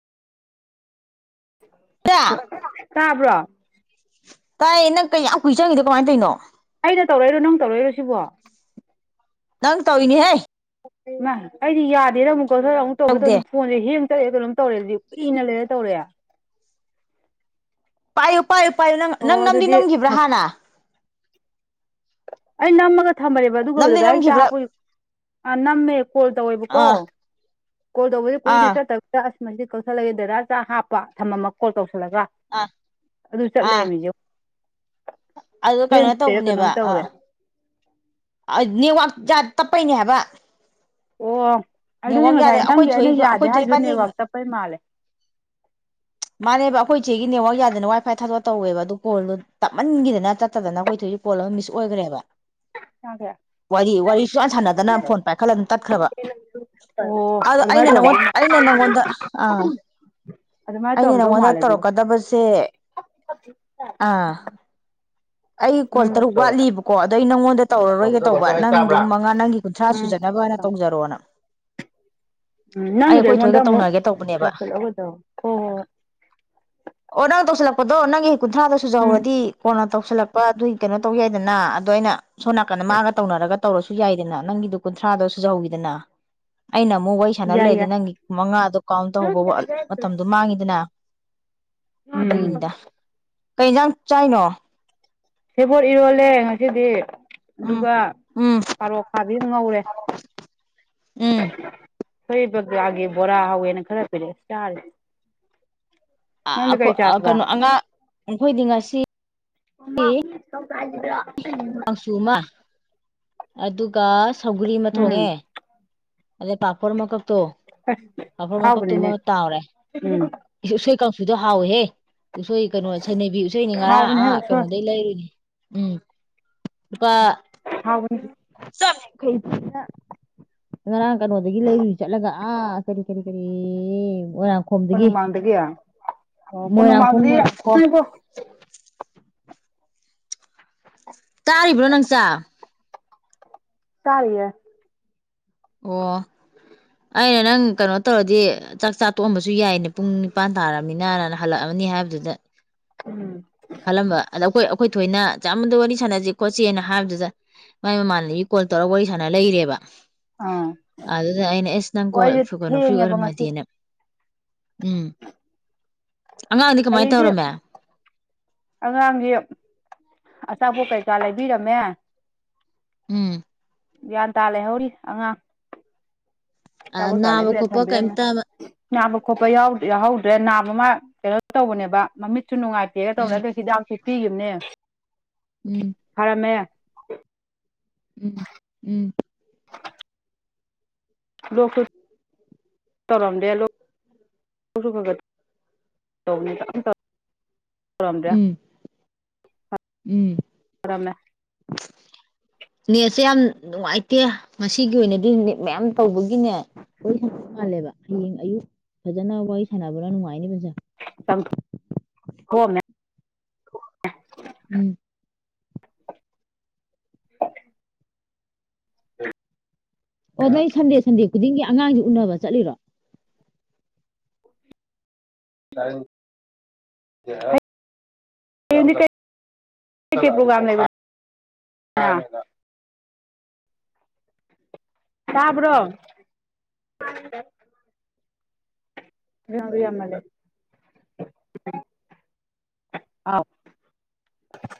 ꯇꯥꯏꯌꯦ ꯇꯥꯕ꯭ꯔꯣ ꯇꯥꯏꯌꯦ ꯅꯪ ꯀꯩ ꯌꯥꯝ ꯀꯨꯏ ꯆꯪꯉꯤꯗꯣ ꯀꯃꯥꯏ ꯇꯧꯅꯣ ꯑꯩꯩꯅ ꯇꯧꯔꯛꯏꯔꯣ ꯅꯪ ꯇꯧꯔꯛꯏꯔꯣ ꯁꯤꯕꯣ ꯅꯪ ꯇꯧꯔꯤꯅꯦꯍꯦ ꯃꯥ ꯑꯩꯗꯤ ꯌꯥꯗꯦꯅ ꯑꯃꯨꯛ ꯀꯛꯊꯠꯂ ꯑꯃꯨꯛ ꯇꯧꯒꯦ ꯇꯧꯗꯦ ꯇꯧꯅꯤ ꯐꯣꯟꯁꯦ ꯍꯦꯡ ꯆꯠꯂꯤꯔ ꯀꯩꯅꯣꯝ ꯇꯧꯔꯦ ꯑꯗꯨꯗꯤ ꯀꯨꯏꯅ ꯂꯩꯔ ꯇꯧꯔꯦ ꯄꯥꯏꯌꯨ ꯄꯥꯏꯌꯨ ꯄꯥꯏꯌꯨ ꯅꯪ ꯑꯣ ꯅꯪ ꯅꯝꯗꯤ ꯑꯗꯨꯗꯤ ꯅꯝꯈꯤꯕ꯭ꯔꯥ ꯑꯁ ꯍꯥꯟꯅ ꯑꯩ ꯅꯝꯃꯒ ꯊꯝꯕꯅꯦꯕ ꯑꯗꯨꯒ ꯅꯝꯗꯤ ꯗꯥꯗꯥꯏ ꯆꯥꯛ ꯅꯝꯈꯤꯕ꯭ꯔꯥ ꯍꯥꯞꯄꯩ ꯅꯝꯃꯦ ꯀꯣꯜ ꯇꯧꯋꯦꯕꯀꯣ ꯑꯥ ꯀꯣꯜ ꯇꯧꯕꯁꯤ ꯀꯨꯏꯅ ꯑꯥ ꯆꯠꯇꯕꯗ ꯑꯁ ꯃꯁꯤ ꯀꯧꯁꯜꯂꯒꯦ ꯗꯥꯥ ꯆꯥꯛ ꯍꯥꯞꯄ ꯊꯝꯃ ꯀꯣꯜ ꯇꯧꯁꯜꯂꯒ ꯑꯥ ꯑꯗꯨ ꯆꯠ ꯂꯩꯔꯝꯃꯤꯖꯦ ꯑ ꯀꯩꯅꯣ ꯇꯧꯕꯅꯦꯕ ꯑ ꯇꯧꯔꯦ ꯅꯦꯠꯋꯥꯛ ꯖꯠ ꯇꯞꯄꯩꯅꯦ ꯍꯥꯏꯕ ꯑꯣ ꯑꯗꯨꯗꯤ ꯅꯦꯠꯋꯥꯛ ꯌꯥꯗꯦ ꯉꯁꯥꯏ ꯑꯩꯈꯣꯏ ꯅꯪꯒꯤ ꯑꯩꯅ ꯊꯣꯏꯒ ꯌꯥꯗꯦ ꯑꯩꯈꯣꯏ ꯊꯣꯏ ꯍꯥꯏꯔꯁꯨ ꯏꯕꯥꯅꯤ ꯅꯦꯠꯋꯥꯛ ꯇꯞꯄꯩ ꯃꯥꯜꯂꯦ ꯃꯥꯅꯦꯕ ꯑꯩꯈꯣꯏ ꯆꯦꯒꯤ ꯅꯦꯠꯋꯔꯥꯛ ꯌꯥꯗꯅ ꯋꯥꯏ ꯐꯥꯏ ꯊꯥꯗꯣꯛ ꯇꯧꯋꯦꯕ ꯑꯗꯨ ꯀꯣꯜꯗꯣ ꯇꯞꯃꯟꯈꯤꯗꯅ ꯆꯠꯇꯗꯅ ꯑꯩꯈꯣꯏ ꯊꯣꯏꯁꯨ ꯀꯣꯜ ꯑꯃ ꯃꯤꯁ ꯑꯣꯏꯈ꯭ꯔꯦꯕ ꯇꯗꯦ ꯋꯥꯔꯤ-ꯋꯥꯔꯤ ꯁꯨꯛꯁꯥꯟ ꯁꯥꯟꯅꯗꯅ ꯐꯣꯟ ꯄꯥꯏꯈꯠꯂ ꯑꯗꯨꯝ ꯇꯠꯈ꯭ꯔꯕ ꯑꯗꯣ ꯑꯗꯨꯃꯥꯏꯅ ꯑꯩꯅ ꯅꯪꯉꯣꯟ ꯇꯧꯔꯝꯗꯧ ꯑꯩꯅ ꯅꯪꯉꯣꯟꯗ ꯑ ꯑꯗꯨꯃꯥꯏꯅ ꯑꯩꯅ ꯇꯧꯔꯝꯗꯧ ꯅꯪꯉꯣꯟꯗ ꯃꯥꯜꯂꯦ ꯑꯗꯨꯗꯤ ꯇꯧꯔꯛꯀꯗꯕꯁꯦ ꯑꯥ ꯑꯩ ꯀꯣꯜ ꯎꯝ ꯇꯔꯨꯛ ꯋꯥꯠꯂꯤꯕꯀꯣ ꯑꯗꯣ ꯑꯩ ꯅꯪꯉꯣꯟꯗ ꯇꯧꯔꯔꯣꯏꯒꯦ ꯂꯥꯡꯖꯧ ꯇꯧꯕ ꯕꯥꯡꯖꯧ ꯍꯥꯏ ꯅꯪ ꯑꯗꯨꯝ ꯇꯥꯕ꯭ꯔꯥ ꯃꯉꯥ ꯅꯪꯒꯤ ꯀꯨꯟꯊ꯭ꯔꯥ ꯎꯝ ꯁꯨꯖꯅꯕꯅ ꯇꯧꯖꯔꯣꯅ ꯎꯝ ꯑꯩ ꯅꯪꯒꯤꯗꯣ ꯑꯩꯈꯣꯏ ꯑꯩꯉꯣꯟꯗ ꯊꯣꯏꯒ ꯑꯃꯨꯛ ꯇꯧꯅꯒꯦ ꯇꯧꯕꯅꯦꯕ ꯇꯧꯁꯜꯂꯛꯑꯣꯗꯣ ꯍꯣꯏ ꯍꯣꯏ ꯑꯣ ꯅꯪ ꯇꯧꯁꯤꯜꯂꯛꯄꯗꯣ ꯅꯪꯒꯤ ꯍꯦꯛ ꯀꯨꯟꯊ꯭ꯔꯥꯗꯣ ꯎꯝ ꯁꯨꯖꯍꯧꯔꯗꯤ ꯀꯣꯟꯅ ꯇꯧꯁꯤꯜꯂꯛꯄ ꯑꯗꯨꯒꯤ ꯀꯩꯅꯣ ꯇꯧ ꯌꯥꯏꯗꯅ ꯑꯗꯣ ꯑꯩꯅ ꯁꯣꯝ ꯅꯥꯀꯟꯗ ꯃꯥꯒ ꯇꯧꯅꯔꯒ ꯇꯧꯔꯁꯨ ꯌꯥꯏꯗꯅ ꯅꯪꯒꯤꯗꯨ ꯀꯨꯟꯊ꯭ꯔꯥꯗꯣ ꯁꯨꯖꯍꯧꯋꯤꯗꯅ ꯑꯩꯅ ꯑꯃꯨꯛ ꯋꯥꯔꯤ ꯁꯥꯟꯅ ꯌꯥꯏ ꯂꯩꯔꯗꯤ ꯌꯥꯏ ꯅꯪꯒꯤ ꯃꯉꯥꯗꯣ ꯀꯥꯎꯟ ꯇꯧꯍꯧꯕ ꯃꯇꯝꯗꯣ ꯃꯥꯡꯉꯤꯗꯅ ꯎꯝ ꯑꯗꯨꯒꯤꯅꯤꯗ ꯀꯩ ꯌꯦꯟꯖꯥꯡ ꯆꯥꯏꯅꯣ ꯁꯦꯕꯣꯠ ꯏꯔꯣꯜꯂꯦ ꯉꯁꯤꯗꯤ ꯎꯝ ꯑꯗꯨꯒ ꯎꯝ ꯄꯥꯔꯣꯛ ꯐꯥꯕꯤꯁꯨ ꯉꯧꯔꯦ ꯎꯝ ꯈꯣꯢ [inaudible] ꯕꯣꯔꯥ ꯍꯧꯋꯦꯅ ꯈꯔ ꯄꯤꯔꯛꯑꯦ ꯆꯥꯔꯦ ꯅꯪꯗꯤ ꯀꯩ ꯑꯩꯈꯣꯏ ꯆꯥꯔꯕ ꯀꯩꯅꯣ ꯑꯉꯥꯡ ꯑꯩꯈꯣꯏꯗꯤ ꯉꯁꯤ [inaudible] ꯆꯨ ꯑꯃ ꯑꯗꯨꯒ ꯁꯧꯒꯔꯤ ꯑꯃ ꯎꯝ ꯊꯣꯡꯉꯦ ꯑꯗꯩ ꯄꯥꯐꯣꯔ ꯃꯀꯛꯇꯣ ꯄꯥꯐꯣꯔ ꯃꯀꯛꯇꯨ ꯑꯃ ꯑꯍꯥꯎꯕꯅꯤꯅꯦ ꯇꯥꯎꯔꯦ ꯎꯝ ꯎꯁꯣꯏ ꯀꯥꯡꯁꯨꯗꯣ ꯍꯥꯎꯋꯦꯍꯦ ꯎꯁꯣꯏ ꯀꯩꯅꯣ ꯁꯩꯅꯕꯤ ꯏꯁꯩꯅꯤ ꯉꯔꯥꯡ ꯍꯥꯎꯕꯅꯦꯍꯦ ꯑꯥ ꯎꯁꯣꯏ ꯀꯩꯅꯣꯗꯩ ꯂꯩꯔꯨꯅꯦ ꯎꯝ ꯂꯨꯄꯥ ꯍꯥꯎꯕꯅꯦ ꯆꯃ [inaudible] ꯉꯔꯥꯡ ꯀꯩꯅꯣꯗꯒꯤ ꯂꯩꯔꯨꯏ ꯆꯠꯂꯒ ꯑꯥ ꯀꯔꯤ ꯀꯔꯤ-ꯀꯔꯤ ꯃꯣꯏꯔꯥꯡ ꯈꯣꯝꯗꯒꯤ ꯀꯣꯅꯨꯡꯃꯥꯡꯗꯒꯤ ꯑꯣ ꯃꯣꯏꯔꯥꯡꯈꯣꯝ ꯀꯣꯅꯨꯡꯃꯥꯡꯗꯗꯤ ꯃꯣꯏꯔꯥꯡꯈꯣꯝ ꯉꯥꯏꯈꯣ ꯇꯥꯔꯤꯕ꯭ꯔꯣ ꯅꯪ ꯆꯥꯛ ꯇꯥꯔꯤꯌꯦ ꯑꯣ ꯑꯩꯅ ꯅꯪ ꯀꯩꯅꯣ ꯇꯧꯔꯗꯤ ꯆꯥꯛ ꯆꯥ ꯇꯣꯛꯑꯝꯕꯁꯨ ꯌꯥꯏꯅꯦ ꯄꯨꯡ ꯅꯤꯄꯥꯟ ꯇꯥꯔꯝꯅꯤꯅ ꯍꯜꯂꯛꯑꯝꯃꯅꯤ ꯍꯥꯏꯕꯗꯨꯗ ꯎꯝ ꯈꯜꯂꯝꯕ ꯑꯗ ꯑꯩꯈꯣꯏ-ꯑꯩꯈꯣꯏ ꯊꯣꯏꯅ ꯆꯥꯃꯗ ꯋꯥꯔꯤ ꯁꯥꯟꯅꯁꯤ ꯈꯣꯠꯆꯦꯅ ꯍꯥꯏꯕꯗꯨꯗ ꯃꯥꯏ ꯃꯃꯥꯟꯅꯕꯤ ꯀꯣꯜ ꯇꯧꯔꯛꯑꯒ ꯋꯥꯔꯤ ꯁꯥꯟꯅ ꯂꯩꯔꯦꯕ ꯑꯥ ꯑꯗꯨꯗ ꯑꯩꯅ ꯑꯦꯁ ꯅꯪ ꯑꯣ ꯀꯣꯜ ꯑꯩꯁꯦ ꯅꯪ ꯐ꯭ꯔꯤ ꯊꯦꯡꯉꯦꯕ ꯉꯁꯤ ꯑꯣꯏꯔꯝꯃꯗꯤꯅ ꯎꯝ ꯑꯉꯥꯡꯗꯤ ꯀꯃꯥꯏꯅ ꯑꯩꯗꯤ ꯇꯧꯔꯝꯃꯦ ꯑꯉꯥꯡꯒꯤ ꯑꯆꯥꯄꯣꯠ ꯀꯩꯀꯥ ꯂꯩꯕꯤꯔꯝꯃꯦ ꯎꯝ ꯒ꯭ꯌꯥꯟ ꯇꯥ ꯂꯩꯍꯧꯔꯤ ꯑꯉꯥꯡ ꯑꯆꯄꯣꯠꯀ ꯅꯥꯕ ꯂꯩꯕꯤꯔ ꯈꯣꯠꯄ ꯊꯝꯕꯤꯔꯝꯃꯦ ꯀꯩꯝꯇ ꯅꯥꯕ ꯈꯣꯠꯄ ꯌꯥꯎꯍꯧꯗ꯭ꯔꯦ ꯅꯥꯕ ꯑꯃ ꯀꯩꯅꯣ ꯇꯧꯕꯅꯦꯕ ꯃꯃꯤꯠꯁꯨ ꯅꯨꯡꯉꯥꯏ ꯇꯦꯏ ꯀꯩꯒ ꯇꯧꯔꯦ ꯎꯝ ꯑꯗꯨ ꯍꯤꯗꯥꯛꯁꯦ ꯄꯤꯈꯤꯕꯅꯦ ꯎꯝ ꯐꯔꯝꯃꯦ ꯎꯝ ꯎꯝ [unintelligible] [inaudible] ꯇꯧꯔꯝꯗꯦ ꯂꯣꯛ [inaudible] ꯎꯝ ꯎꯝ [unintelligible] ꯅꯦꯠꯁꯦ ꯌꯥꯝ ꯅꯨꯡꯉꯥꯏꯇꯦ ꯉꯁꯤꯒꯤ ꯑꯣꯏꯅꯗꯤ ꯅꯦꯠ ꯃꯌꯥꯝ ꯇꯧꯕꯒꯤꯅꯦ ꯋꯥꯔꯤ ꯁꯥꯟꯅꯕ ꯃꯥꯜꯂꯦꯕ ꯍꯌꯦꯡ ꯑꯌꯨꯛ ꯐꯖꯅ ꯋꯥꯔꯤ ꯁꯥꯟꯅꯕꯅ ꯅꯨꯡꯉꯥꯏꯅꯤ ꯪ ꯍ [inaudible] ꯎꯝ [unintelligible] ꯑꯣ ꯅꯣꯏ ꯁꯟꯗꯦ ꯁꯟꯗꯦ ꯈꯨꯗꯤꯡꯒꯤ ꯑꯉꯥꯡꯁꯦ ꯎꯅꯕ ꯆꯠꯂꯤꯔꯣ ꯇ ꯌꯥ [inaudible] ꯍꯌꯦꯡꯗꯤ ꯀꯩꯀꯩ ꯄꯔꯣꯒ꯭ꯔꯝ ꯂꯩꯒꯦ ꯇꯥꯕ꯭ꯔꯣ ꯪ ꯌꯥꯝꯃ ꯂꯩꯦ [inaudible] ꯑꯥꯎ